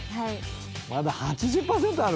まだ８０％あるんだよ。